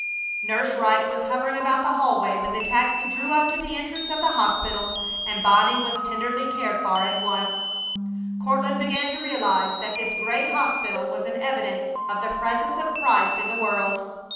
Nurse Wright was hovering about the hallway when the taxi drew up to the entrance of the hospital, and Bonnie was tenderly cared for at once. Courtland began to realize that this great hospital was an evidence of the Presence of Christ in the world!